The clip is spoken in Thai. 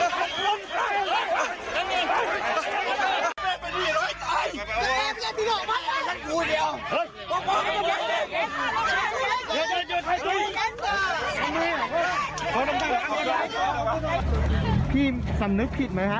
พี่สำนึกผิดไหมคะหรือว่าสำนึกผิดหรือว่าสำนึกผิดหรือว่า